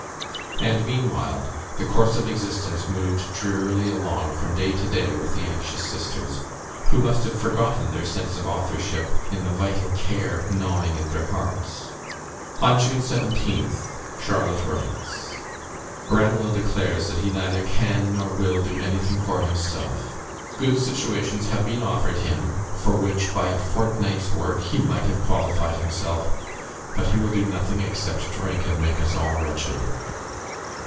And, meanwhile, the course of existence moved drearily along from day to day with the anxious sisters, who must have forgotten their sense of authorship in the vital care gnawing at their hearts. On June 17th, Charlotte writes: "Branwell declares that he neither can nor will do anything for himself; good situations have been offered him, for which, by a fortnight's work, he might have qualified himself, but he will do nothing except drink and make us all wretched."